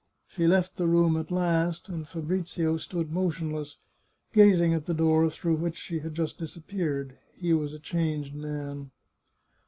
She left the room at last, and Fabrizio stood motionless, gazing at the door through which she had just disappeared. He was a changed man.